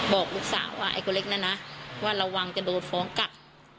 บอกลูกสาวว่าไอ้คนเล็กน่ะนะว่าระวังจะโดนฟ้องกลับ